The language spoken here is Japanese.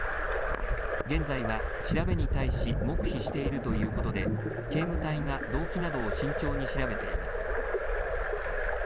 現在は調べに対し、黙秘しているということで、警務隊が動機などを慎重に調べています。